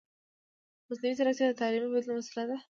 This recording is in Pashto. مصنوعي ځیرکتیا د تعلیمي بدلون وسیله ده.